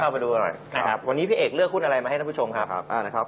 วันนี้พี่เอกเลือกหุ้นอะไรมาให้ท่านผู้ชมครับ